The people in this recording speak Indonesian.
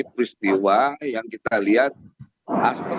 peristiwa yang kita lihat aspek